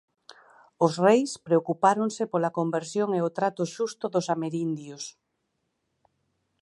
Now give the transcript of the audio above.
Os reis preocupáronse pola conversión e o trato xusto dos amerindios.